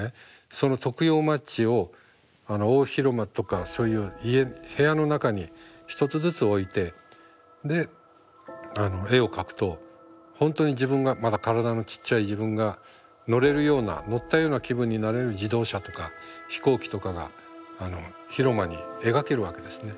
その徳用マッチを大広間とかそういう家部屋の中に１つずつ置いてで絵を描くと本当に自分がまだ体のちっちゃい自分が乗れるような乗ったような気分になれる自動車とか飛行機とかが広間に描けるわけですね。